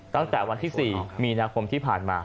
ตั้งแต่วันที่๔มีนาคมที่ผ่านมา